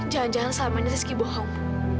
jangan jangan selama ini rizky bohong